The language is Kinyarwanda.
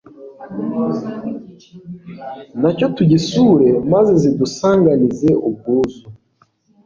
Ntacyo tugisure maze zidusanganize ubwuzu